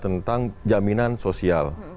tentang jaminan sosial